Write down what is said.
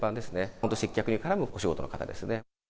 本当、接客にからむお仕事の方ですね。